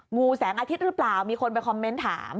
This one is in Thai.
งูแสงอาทิตย์หรือเปล่ามีคนไปคอมเมนต์ถาม